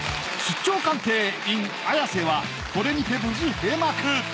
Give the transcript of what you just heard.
出張鑑定ＩＮ綾瀬はこれにて無事閉幕。